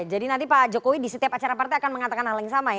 jadi nanti pak jokowi di setiap acara partai akan mengatakan hal yang sama ya